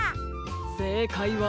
せいかいは。